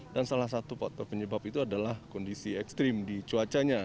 dan salah satu faktor penyebab itu adalah kondisi ekstrim di cuacanya